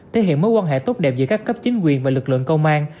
thể hiện mối quan hệ tốt đẹp giữa các cấp chính quyền và lực lượng công an